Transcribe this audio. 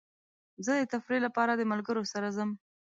زه د تفریح لپاره د ملګرو سره ځم.